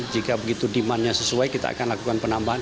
jika begitu demandnya sesuai kita akan lakukan penambahan